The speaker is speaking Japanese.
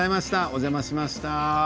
お邪魔しました。